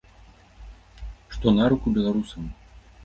Што на руку беларусам.